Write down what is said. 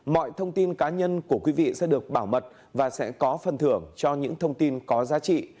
mọi thông tin cá nhân của quý vị sẽ được bảo mật và sẽ có phần thưởng cho những thông tin có giá trị